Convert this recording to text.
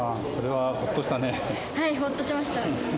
はいホッとしました